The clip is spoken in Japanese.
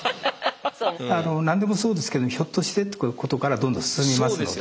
何でもそうですけどひょっとしてってことからどんどん進みますので。